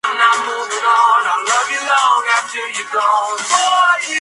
Esto hace que durante su manipulación aparezcan figuras con diferentes formas.